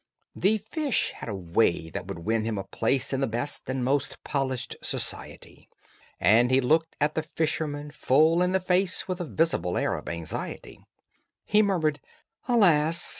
This fish had a way that would win him a place In the best and most polished society, And he looked at the fisherman full in the face With a visible air of anxiety: He murmered "Alas!"